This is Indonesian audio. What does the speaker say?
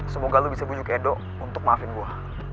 semoga lo bisa bujuk edo untuk maafin gue